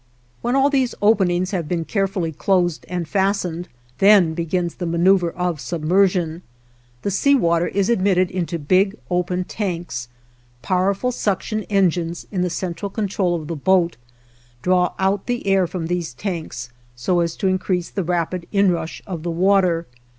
When all these openings have been carefully closed and fastened, then begins the maneuver of submersion. The sea water is admitted into big open tanks. Powerful suction engines, in the central control of the boat, draw out the air from these tanks so as to increase the rapid inrush of the water.